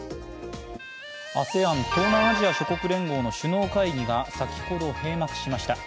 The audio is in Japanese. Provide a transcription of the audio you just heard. ＡＳＥＡＮ＝東南アジア諸国連合の首脳会議が先ほど閉幕しました。